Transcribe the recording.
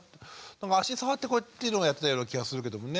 足触ってこうっていうのはやってたような気はするけどもね。